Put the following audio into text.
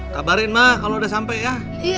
kabarin mak kalau udah sampai ya